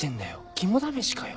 肝試しかよ。